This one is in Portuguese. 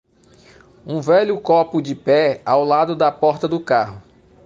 Um velho copo de pé ao lado da porta do carro